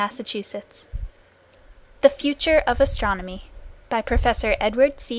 bnf.fr THE FUTURE OF ASTRONOMY BY PROFESSOR EDWARD C.